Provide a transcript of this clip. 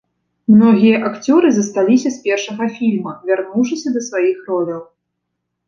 Многія акцёры засталіся з першага фільма, вярнуўшыся да сваіх роляў.